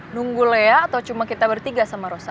nunggu lea atau cuma kita bertiga sama rosa